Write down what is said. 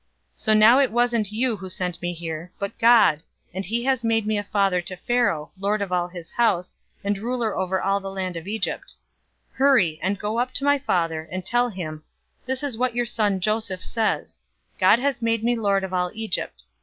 045:008 So now it wasn't you who sent me here, but God, and he has made me a father to Pharaoh, lord of all his house, and ruler over all the land of Egypt. 045:009 Hurry, and go up to my father, and tell him, 'This is what your son Joseph says, "God has made me lord of all Egypt.